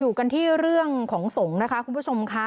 อยู่กันที่เรื่องของสงฆ์นะคะคุณผู้ชมค่ะ